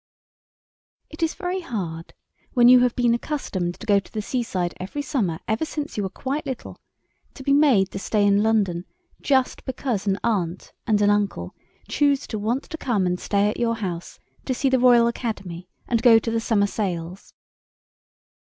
IT is very hard, when you have been accustomed to go to the seaside every summer ever since you were quite little, to be made to stay in London just because an aunt and an uncle choose to want to come and stay at your house to see the Royal Academy and go to the summer sales.